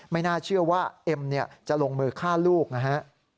ไม่น่าเชื่อว่าเอ็มจะลงมือฆ่าลูกนะฮะ